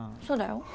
そうだよ。